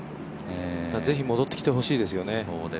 ぜひってきてほしいですよね。